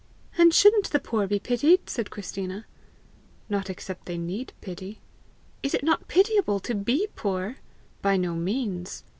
"And shouldn't the poor be pitied?" said Christina. "Not except they need pity." "Is it not pitiable to be poor?" "By no means.